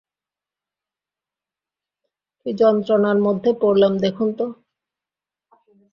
কী যন্ত্রণার মধ্যে পড়লাম দেখুন তো!